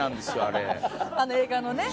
あの映画のね。